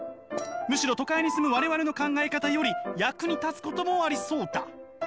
むしろ都会に住む我々の考え方より役に立つこともありそうだ」。